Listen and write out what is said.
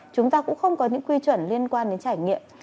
chúng ta cũng không có những quy chuẩn liên quan đến trải nghiệm